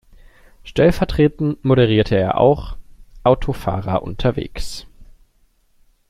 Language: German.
Stellvertretend moderierte er auch "Autofahrer unterwegs".